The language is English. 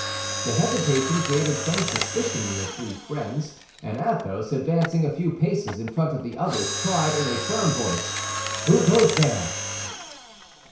The hesitation created some suspicion in the three friends, and Athos, advancing a few paces in front of the others, cried in a firm voice, "Who goes there?"